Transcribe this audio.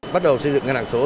bắt đầu xây dựng ngân hàng số